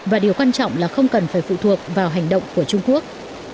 và điều quan trọng là không cần phải phụ thuộc vào hành động của trung quốc